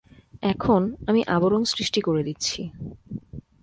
এখন, আমি আবরণ সৃষ্টি করে দিচ্ছি।